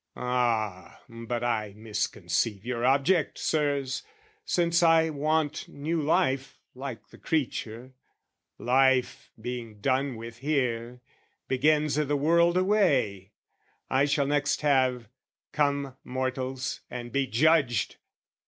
Ah, but I misconceive your object, Sirs! Since I want new life like the creature, life Being done with here, begins i' the world away: I shall next have "Come, mortals, and be judged!"